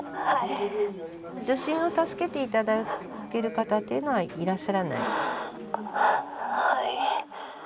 受診を助けて頂ける方っていうのはいらっしゃらない？